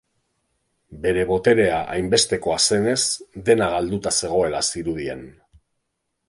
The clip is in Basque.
Bere boterea hainbestekoa zenez, dena galduta zegoela zirudien.